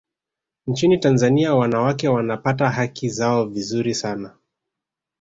nchini tanzania wanawake wanapata haki zao vizuri sana